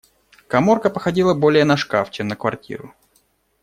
Каморка походила более на шкаф, чем на квартиру.